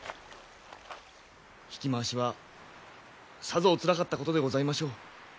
引き回しはさぞおつらかったことでございましょう。